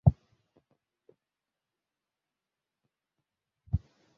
মুনির চিঠিটা টেবিলের উপর রাখল।